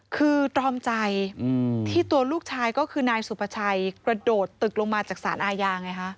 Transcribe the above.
คือตรอมใจที่ตัวลูกชายก็คือนายสุภาชัยกระโดดตึกลงมาจากสารอาญาไงฮะ